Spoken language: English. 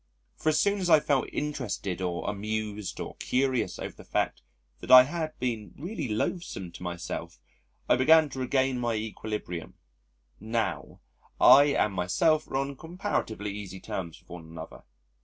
For as soon as I felt interested or amused or curious over the fact that I had been really loathesome to myself I began to regain my equilibrium. Now, I and myself are on comparatively easy terms with one another.